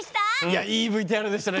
いいＶＴＲでしたね。